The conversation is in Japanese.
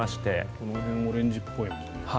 この辺オレンジっぽいな。